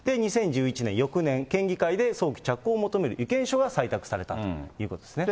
２０１１年、翌年、県議会で早期着工を求める意見書が採択されたということですね。